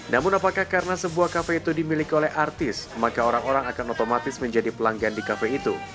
namun apakah karena sebuah kafe itu dimiliki oleh artis maka orang orang akan otomatis menjadi pelanggan di kafe itu